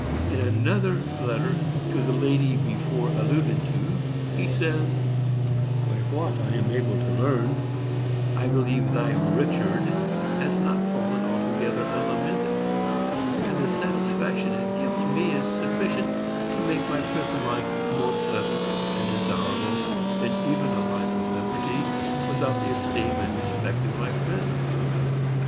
In another letter to the lady before alluded to he says: By what I am able to learn, I believe thy "Richard" has not fallen altogether unlamented; and the satisfaction it gives me is sufficient to make my prison life more pleasant and desirable than even a life of liberty without the esteem and respect of my friends.